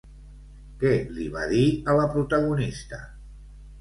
Què li va dir a la protagonista?